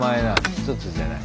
一つじゃない。